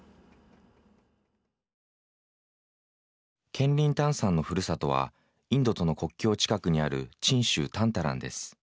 ケン・リン・タンさんのふるさとはインドとの国境近くにあるチン州タンタランです。